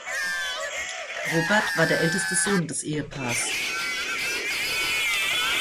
Robert war der älteste Sohn des Ehepaars.